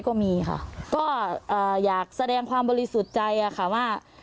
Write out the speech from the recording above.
ก็อยากแสดงความบริสุทธิ์ใจว่า